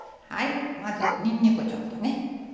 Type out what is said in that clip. まずにんにくちょっとね。